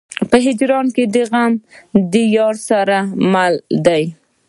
په هجران کې غم د يار راسره مل دی.